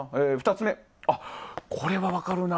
２つ目、これは分かるな。